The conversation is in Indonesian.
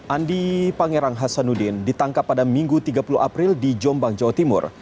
andi pangerang hasanuddin ditangkap pada minggu tiga puluh april di jombang jawa timur